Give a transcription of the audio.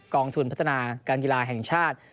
องทุนพัฒนาการกีฬาแห่งชาติ